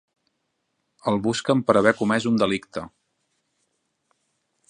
Els busquen per haver comès un delicte.